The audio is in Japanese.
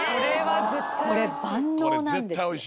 これ万能なんですよ。